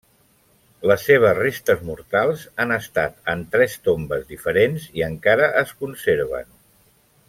Les seves restes mortals han estat en tres tombes diferents i encara es conserven.